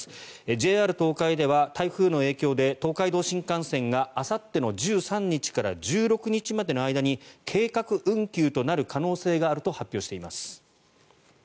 ＪＲ東海では台風の影響で東海道新幹線があさっての１３日から１６日までの間に計画運休となる可能性があると発表しています。